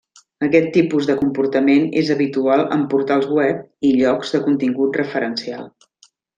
Aquest tipus de comportament és habitual en portals web i llocs de contingut referencial.